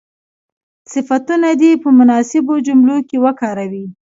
صفتونه دې په مناسبو جملو کې وکاروي.